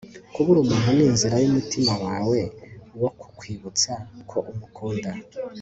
kubura umuntu ni inzira y'umutima wawe wo kukwibutsa ko umukunda